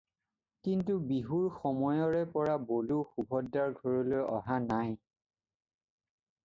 কিন্তু বিহুৰ সময়ৰে পৰা বলো সুভদ্ৰাৰ ঘৰলৈ অহা নাই।